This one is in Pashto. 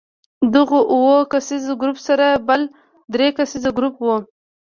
له دغو اووه کسیز ګروپ سره بل درې کسیز ګروپ وو.